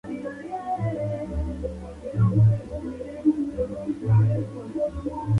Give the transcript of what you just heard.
Ella es aventurera, centrada y súper inteligente.